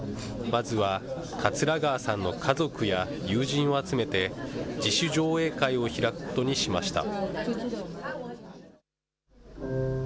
まずは桂川さんの家族や友人を集めて、自主上映会を開くことにしました。